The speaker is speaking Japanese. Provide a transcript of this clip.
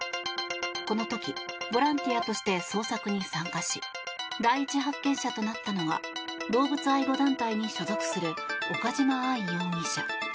この時、ボランティアとして捜索に参加し第一発見者となったのが動物愛護団体に所属する岡島愛容疑者。